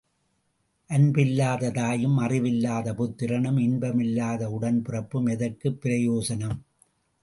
அன்பு இல்லாத தாயும் அறிவு இல்லாத புத்திரனும் இன்பம் இல்லாத உடன்பிறப்பும் எதற்குப் பிரயோசனம்?